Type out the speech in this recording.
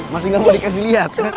masih nggak mau dikasih liat